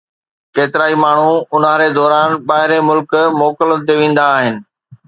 ڪيترائي ماڻهو اونهاري دوران ٻاهرين ملڪ موڪلن تي ويندا آهن.